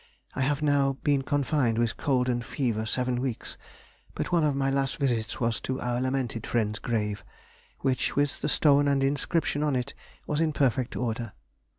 I have now been confined with cold and fever seven weeks, but one of my last visits was to our lamented friend's grave, which, with the stone and inscription on it, was in perfect order.